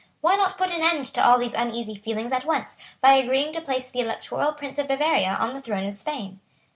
Why not put an end to all these uneasy feelings at once, by agreeing to place the Electoral Prince of Bavaria on the throne of Spain?"